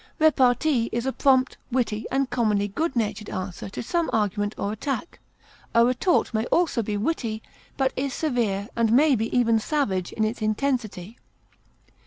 Repartee is a prompt, witty, and commonly good natured answer to some argument or attack; a retort may also be witty, but is severe and may be even savage in its intensity.